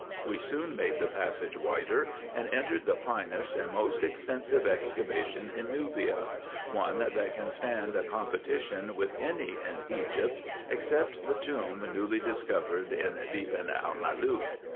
We soon made the passage wider, and entered the finest and most extensive excavation in Nubia, one that can stand a competition with any in Egypt, except the tomb newly discovered in Beban el Malook.